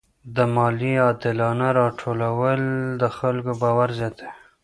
د مالیې عادلانه راټولول د خلکو باور زیاتوي.